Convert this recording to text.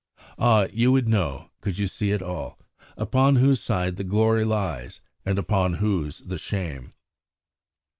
Ah, you would know, could you see it all, upon whose side the glory lies and upon whose the shame!